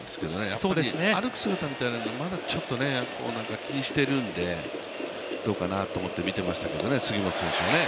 やっぱり歩く姿というのがまだちょっと気にしていたのでどうかなと思って見ていましたけど、杉本選手はね。